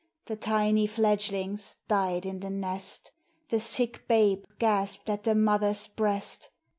The tiny fledglings died in the nest; The sick babe gasped at the mother's breast.